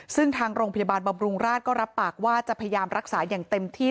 ซึ่งทางโรงพยาบาลบำรุงราชก็รับปากว่าจะพยายามรักษาอย่างเต็มที่